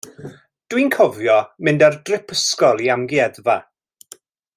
Dw i'n cofio mynd ar drip ysgol i amgueddfa.